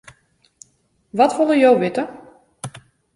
Wat wolle jo witte?